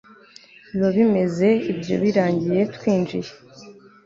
biba bimeze ibyo birangiye twinjiye